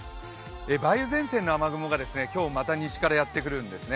梅雨前線の雨雲が今日、また西からやってくるんですね。